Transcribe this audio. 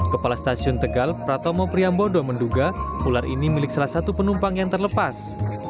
kepala stasiun tegal pratomo priambodo menduga ular ini milik salah satu penumpang yang terlepas